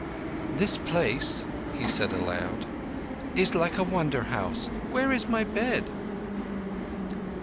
"This place," he said aloud, "is like a Wonder House. Where is my bed?"